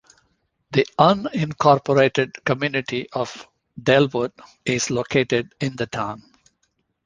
The unincorporated community of Dellwood is located in the town.